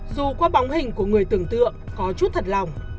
dù qua bóng hình của người tưởng tượng có chút thật lòng